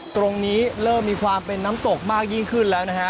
ตรงนี้เริ่มมีความเป็นน้ำตกมากยิ่งขึ้นแล้วนะฮะ